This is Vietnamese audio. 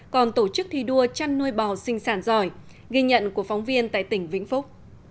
còn tổ chức thi đua chăn nuôi bò sinh sản giỏi ghi nhận của phóng viên tại tỉnh vĩnh phúc